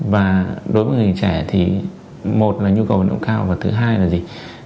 và đối với người trẻ thì một là nhu cầu nỗng cao và thứ hai là gì